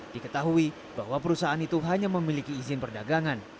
diketahui bahwa perusahaan itu hanya memiliki izin perdagangan